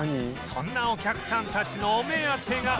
そんなお客さんたちのお目当てが